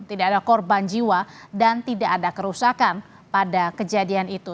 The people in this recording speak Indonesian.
tidak ada korban jiwa dan tidak ada kerusakan pada kejadian itu